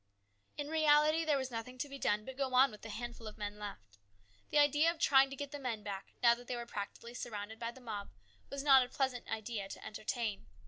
In reality there was nothing to be done but to go on with the handful of men left. The idea of trying to get the men back, now that they were practically surrounded by the mob, was not a pleasant idea to entertain.